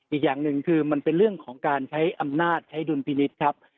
อีกอย่างหนึ่งคือมันเป็นเรื่องของการใช้อำนาจใช้ดุลพินิษฐ์ครับ